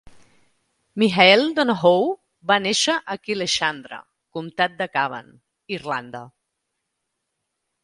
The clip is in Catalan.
Michael Donohoe va néixer a Killeshandra, comtat de Cavan, Irlanda.